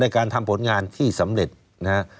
ในการทำผลงานที่สำเร็จนะครับ